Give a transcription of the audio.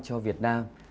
cho việt nam